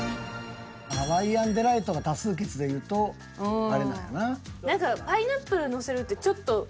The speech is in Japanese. ハワイアンデライトが多数決でいうとあれなんやな。